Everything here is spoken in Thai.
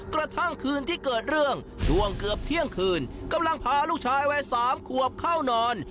กระทั่งคืนที่เกิดเรื่องช่วงเกือบเที่ยงคืนกำลังพาลูกชายวัย๓ขวบเข้านอน